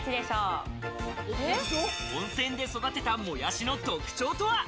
温泉で育てたもやしの特徴とは？